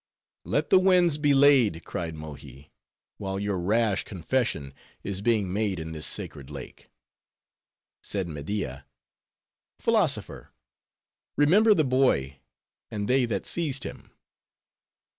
"Let the winds be laid," cried Mohi, "while your rash confession is being made in this sacred lake." Said Media, "Philosopher; remember the boy, and they that seized him."